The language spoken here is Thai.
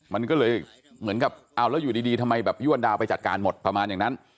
มันก็เลยเหมือนกับเอาแล้วอยู่ดีทำไมแบบย้วนดาวไปจัดการหมดประมาณอย่างนั้น